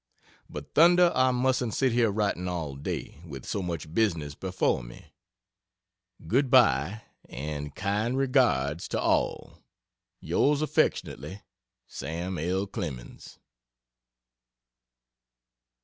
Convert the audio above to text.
But thunder, I mustn't sit here writing all day, with so much business before me. Good by, and kind regards to all. Yrs affy SAM L. CLEMENS.